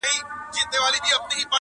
راځی چي وشړو له خپلو کلیو!